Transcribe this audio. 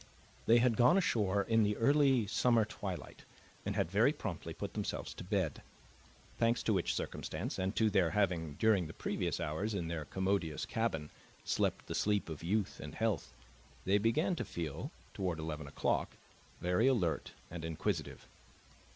They had gone ashore in the early summer twilight and had very promptly put themselves to bed; thanks to which circumstance and to their having, during the previous hours, in their commodious cabin, slept the sleep of youth and health, they began to feel, toward eleven o'clock, very alert and inquisitive.